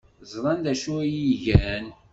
Ẓran d acu ay iyi-gan.